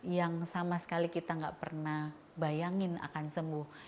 yang sama sekali kita gak pernah bayangin akan sembuh